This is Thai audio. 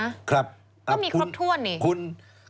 ก็มีครอบถ้วนเนี่ย